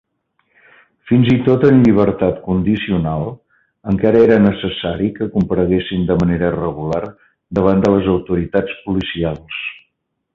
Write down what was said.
Fins i tot en llibertat condicional, encara era necessari que compareguessin de manera regular davant de les autoritats policials.